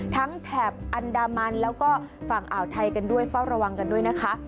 แถบอันดามันแล้วก็ฝั่งอ่าวไทยกันด้วยเฝ้าระวังกันด้วยนะคะ